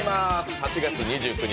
８月２９日